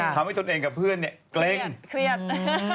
ทำให้ตนเองกับเพื่อนเกรงเกรียด